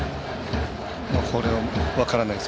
これは、分からないです。